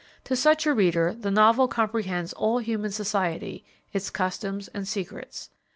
To such a reader the novel comprehends all human society, its customs and secrets.